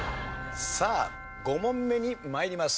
さあ５問目に参ります。